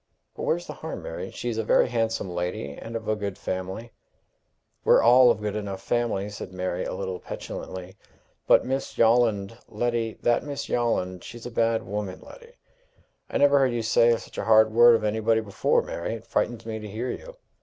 "But where's the harm, Mary? She's a very handsome lady, and of a good family." "We're all of good enough family," said Mary, a little petulantly. "But that Miss Yolland Letty that Miss Yolland she's a bad woman, Letty." "I never heard you say such a hard word of anybody before, Mary! It frightens me to hear you."